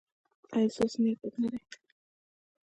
ایا ستاسو نیت پاک نه دی؟